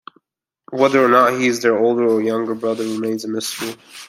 Whether or not he is their older or younger brother remains a mystery.